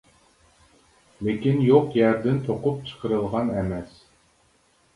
لېكىن يوق يەردىن توقۇپ چىقىرىلغان ئەمەس.